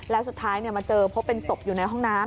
แล้วสุดท้ายมาเจอพบเป็นศพอยู่ในห้องน้ำ